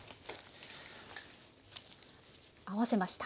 合わせました。